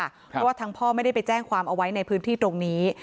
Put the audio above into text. เพราะว่าทั้งพ่อไม่ได้ไปแจ้งความเอาไว้ในพื้นที่ตรงนี้